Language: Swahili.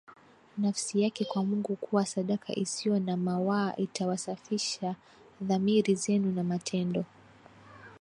nafsi yake kwa Mungu kuwa sadaka isiyo na mawaa itawasafisha dhamiri zenu na matendo